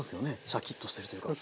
シャキッとしてるというか。